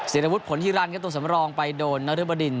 เสียงละวุฒิผลที่รันครับตัวสำหรองไปโดนนริมดิน